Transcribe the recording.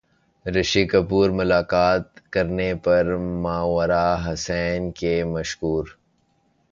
رشی کپور ملاقات کرنے پر ماورا حسین کے مشکور